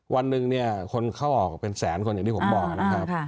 วันหนึ่งเนี่ยคนเข้าออกเป็นแสนคนอย่างที่ผมบอกนะครับ